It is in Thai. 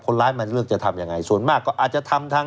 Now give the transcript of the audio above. คนร้ายมันเลือกจะทำยังไงส่วนมากก็อาจจะทำทาง